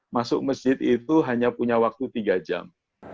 masuk masjid itu hanya punya waktu tiga jam